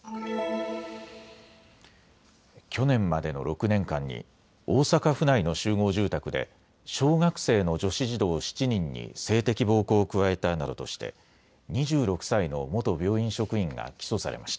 去年までの６年間に大阪府内の集合住宅で小学生の女子児童７人に性的暴行を加えたなどとして２６歳の元病院職員が起訴されました。